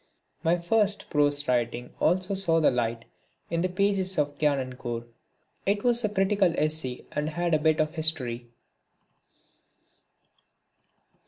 My first prose writing also saw the light in the pages of the Gyanankur. It was a critical essay and had a bit of a history.